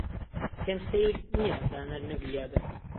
پێم سەیر نییە دانەر نەگریابێت.